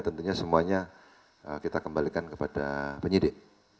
tentunya semuanya kita kembalikan kepada penyidik